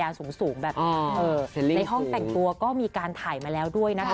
สูงสูงแบบนี้ในห้องแต่งตัวก็มีการถ่ายมาแล้วด้วยนะคะ